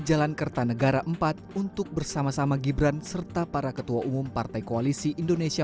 jalan kertanegara empat untuk bersama sama gibran serta para ketua umum partai koalisi indonesia